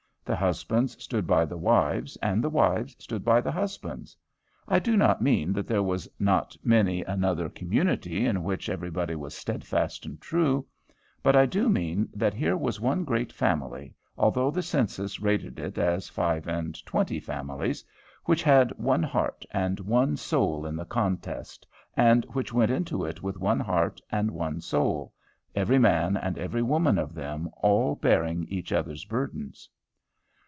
The husbands stood by the wives, and the wives stood by the husbands. I do not mean that there was not many another community in which everybody was steadfast and true. But I do mean that here was one great family, although the census rated it as five and twenty families, which had one heart and one soul in the contest, and which went into it with one heart and one soul, every man and every woman of them all bearing each other's burdens.